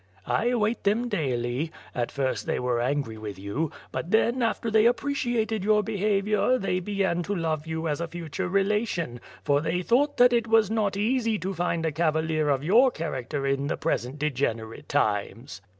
"I await them daily. At first they were angry with you; but then, after they appreciated your behavior, they began to love you as a future relation ; for they thought that it was not easy to find a cavalier of your character in the present degen erate times."